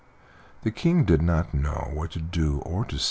The King did not know what to do or to say.